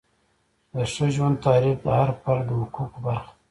د ښه ژوند تعریف د هر فرد د حقوقو برخه ده.